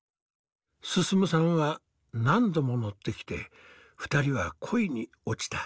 進さんは何度も乗ってきて２人は恋に落ちた。